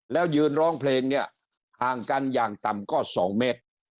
แล้วยืนร้องเพลงเนี่ยห่างกันอย่างต่ำก็๒เมตร